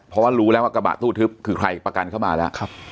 เพราะว่ารู้แล้วว่ากระบะตู้ทึบคือใครประกันเข้ามาแล้ว